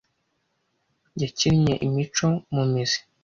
yakinnye imico mu mizi